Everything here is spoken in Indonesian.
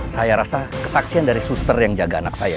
saya rasa kesaksian dari suster yang jaga anak saya